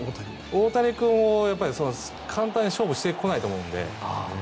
大谷君は簡単に勝負してこないと思うので。